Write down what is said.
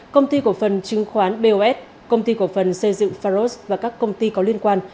công ty cổ phần chứng khoán bos công ty cổ phần xây dựng pharos và các công ty có liên quan